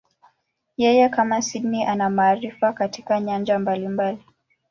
Yeye, kama Sydney, ana maarifa katika nyanja mbalimbali.